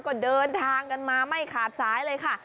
ก็เดินทางกันมาไม่ขาดสายเลยค่ะ